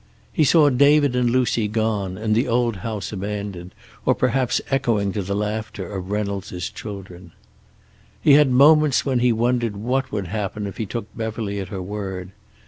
He saw David and Lucy gone, and the old house abandoned, or perhaps echoing to the laughter of Reynolds' children. He had moments when he wondered what would happen if he took Beverly at her word.